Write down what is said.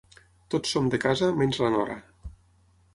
Tots som de casa, menys la nora.